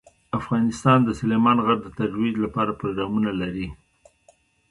افغانستان د سلیمان غر د ترویج لپاره پروګرامونه لري.